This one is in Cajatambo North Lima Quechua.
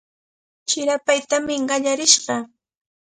Chirapaytami qallarishqa.